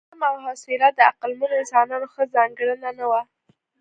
زغم او حوصله د عقلمنو انسانانو ښه ځانګړنه نه وه.